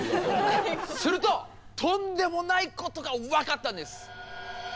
するととんでもないことが分かったんです。